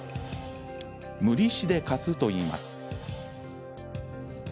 「無利子で貸す」といいます。